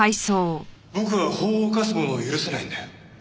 僕は法を犯す者を許せないんだよ。